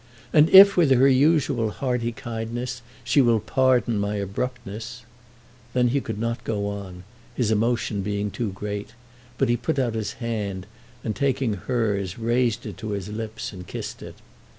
And if, with her usual hearty kindness, she will pardon my abruptness " Then he could not go on, his emotion being too great; but he put out his hand, and taking hers raised it to his lips and kissed it.